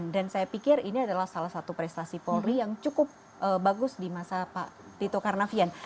saya pikir ini adalah salah satu prestasi polri yang cukup bagus di masa pak tito karnavian